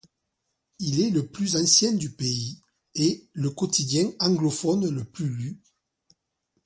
Il est le plus ancien du pays, et le quotidien anglophone le plus lu.